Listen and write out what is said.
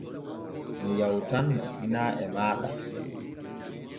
Mi yawtanno hinaa e maaɗa.